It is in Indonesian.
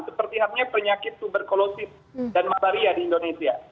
seperti hatinya penyakit tuberkulosis dan malaria di indonesia